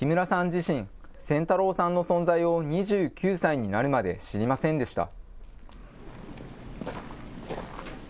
自身、仙太郎さんの存在を２９歳になるまで知りませんでした。